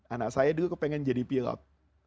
anak saya dulu kepengen jadi pilot